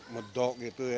medok gitu ya